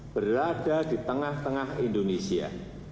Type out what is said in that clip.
berada di tengah tengah indonesia